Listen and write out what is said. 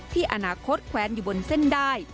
ที่อนาคตแควนอยู่บนเส้นได้